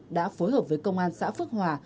đã phối hợp với công an xã phước hòa